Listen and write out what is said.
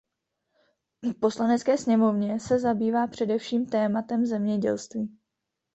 V Poslanecké sněmovně se zabývá především tématem zemědělství.